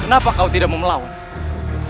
kenapa kau tidak mau melawan